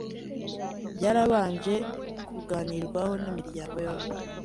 byarabanje kuganirwaho n’imiryango yombi